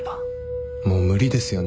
もう無理ですよね。